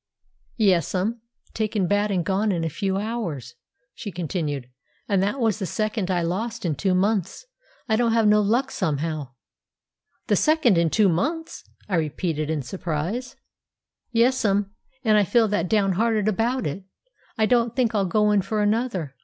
"Yes'm; taken bad and gone in a few hours," she continued. "And that was the second I lost in two months. I don't have no luck somehow." "The second in two months!" I repeated in surprise. "Yes'm, and I feel that downhearted about it, I don't think I'll go in for another.